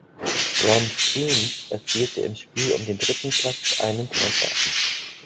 Ron Steens erzielte im Spiel um den dritten Platz einen Treffer.